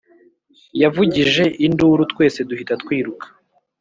Yavugije induru twese duhita twiruka